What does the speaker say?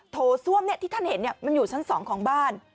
โทรซ่วมเนี่ยที่ท่านเห็นเนี่ยมันอยู่ชั้นสองของบ้าน